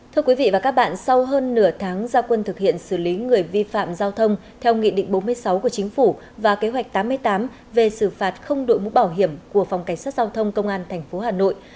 thưa quý vị và các bạn sau hơn nửa tháng gia quân thực hiện xử lý người vi phạm giao thông theo nghị định bốn mươi sáu của chính phủ và kế hoạch tám mươi tám về xử phạt không đội mũ bảo hiểm của phòng cảnh sát giao thông công an tp hà nội